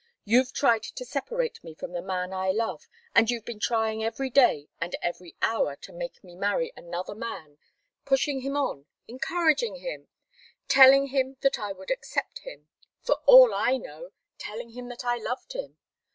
You've tried to separate me from the man I love, and you've been trying every day and every hour to make me marry another man pushing him on, encouraging him, telling him that I would accept him for all I know, telling him that I loved him.